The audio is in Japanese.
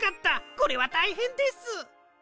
これはたいへんです！